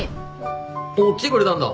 おっ来てくれたんだ。